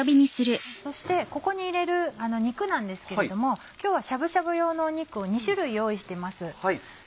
そしてここに入れる肉なんですけれども今日はしゃぶしゃぶ用の肉を２種類用意してます。